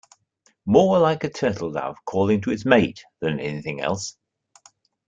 More like a turtle dove calling to its mate than anything else.